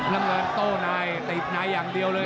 น้ำเงินโต้ในติดในอย่างเดียวเลย